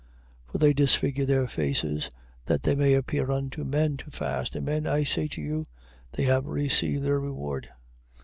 For they disfigure their faces, that they may appear unto men to fast. Amen I say to you, they have received their reward.